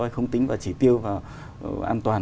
không tính vào chỉ tiêu an toàn